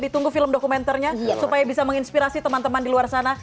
ditunggu film dokumenternya supaya bisa menginspirasi teman teman di luar sana